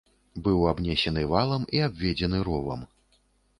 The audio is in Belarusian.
Быў абнесены валам і абведзены ровам.